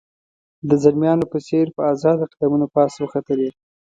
د زلمیانو په څېر په آزاده قدمونو پاس وختلې.